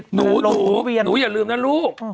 หนูหนูอย่าลืมนะลูก